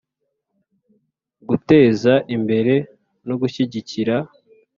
Guteza imbere no gushyigikira